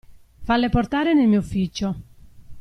Falle portare nel mio ufficio.